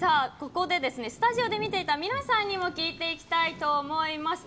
ここでスタジオで見ていた皆さんにも聞いていきたいと思います。